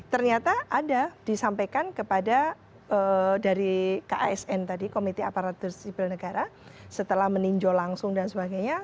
ternyata ada disampaikan kepada dari kasn tadi komite aparatur sipil negara setelah meninjau langsung dan sebagainya